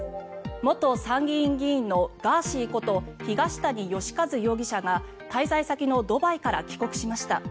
元参議院議員のガーシーこと東谷義和容疑者が滞在先のドバイから帰国しました。